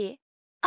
あ。